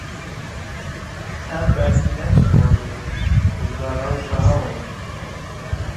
Em belkî neçin bajêr jiber rewşa hewayê